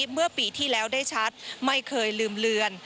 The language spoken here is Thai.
เมื่อปีที่แล้วได้ชัดไม่เคยลืมเลือน